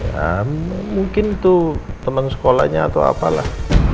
ya mungkin tuh temen sekolahnya atau apalah